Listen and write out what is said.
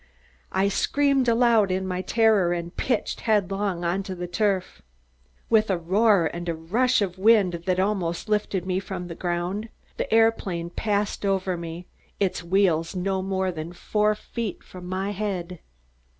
I screamed aloud in my terror and pitched headlong on the turf. With a roar, and a rush of wind that almost lifted me from the ground, the aeroplane passed over me, its wheels no more than four feet from my head.